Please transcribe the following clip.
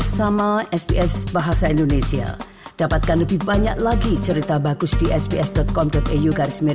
sampai jumpa di sps com au